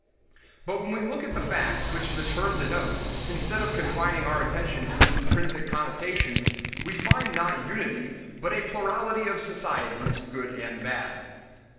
But when we look at the facts which the term denotes instead of confining our attention to its intrinsic connotation, we find not unity, but a plurality of societies, good and bad.